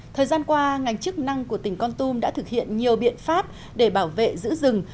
thời gian qua ngành chức năng của tỉnh con tum đã thực hiện nhiều biện pháp để bảo vệ giữ rừng